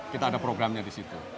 kita ada programnya di situ